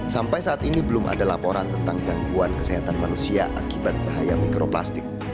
sampai saat ini belum ada laporan tentang gangguan kesehatan manusia akibat bahaya mikroplastik